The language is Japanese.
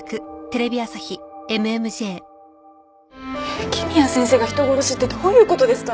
雪宮先生が人殺しってどういう事ですか？